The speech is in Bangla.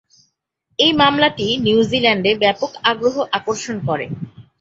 এই মামলাটি নিউজিল্যান্ডে ব্যাপক আগ্রহ আকর্ষণ করে।